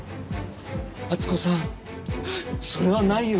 温子さんそれはないよ。